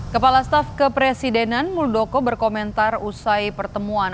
kepala staf kepresidenan muldoko berkomentar usai pertemuan